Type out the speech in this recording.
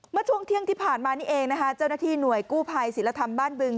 เมื่อช่วงเที่ยงที่ผ่านมานี่เองนะคะเจ้าหน้าที่หน่วยกู้ภัยศิลธรรมบ้านบึง